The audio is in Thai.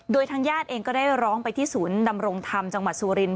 โดยทางญาติเองก็ได้ร้องไปที่ศูนย์ดำรงธรรมจังหวัดสุรินท